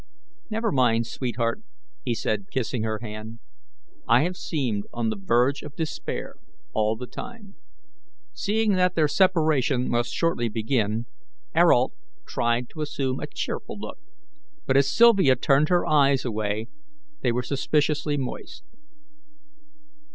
"Never mind, sweetheart," he said, kissing her hand, "I have seemed on the verge of despair all the time." Seeing that their separation must shortly begin, Ayrault tried to assume a cheerful look; but as Sylvia turned her eyes away they were suspiciously moist.